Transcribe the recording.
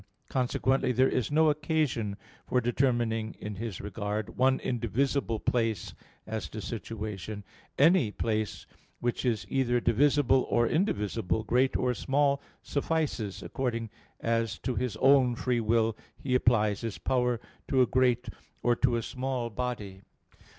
Consequently there is no occasion for determining in his regard one indivisible place as to situation: any place which is either divisible or indivisible, great or small suffices, according as to his own free will he applies his power to a great or to a small body.